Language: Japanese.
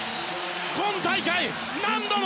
今大会、何度も！